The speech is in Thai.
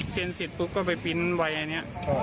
เซ็นเสร็จปุ๊บก็ไปปริ้นไวน์อันนี้